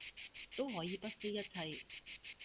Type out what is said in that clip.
都可以不惜一切